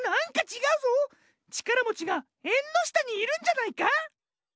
ちからもちがえんのしたにいるんじゃないか？